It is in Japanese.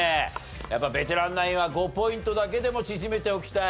やっぱベテランナインは５ポイントだけでも縮めておきたい。